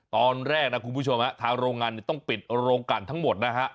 ตอนแรกนะคุณผู้ชมทางโรงงานต้องปิดโรงกันทั้งหมดนะฮะ